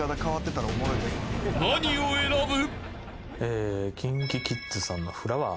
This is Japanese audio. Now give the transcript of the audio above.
［何を選ぶ？］